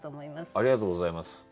ありがとうございます。